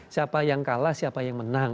siapa yang kalah siapa yang menang